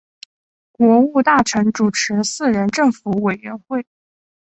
国务大臣主持四人政府委员会。